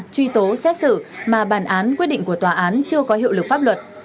truy tố xét xử mà bản án quyết định của tòa án chưa có hiệu lực pháp luật